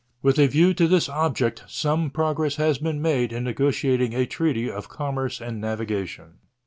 With a view to this object, some progress has been made in negotiating a treaty of commerce and navigation.